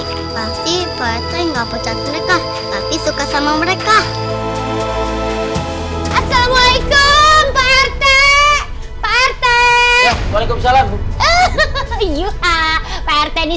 percaya nggak pecat mereka tapi suka sama mereka assalamualaikum partai partai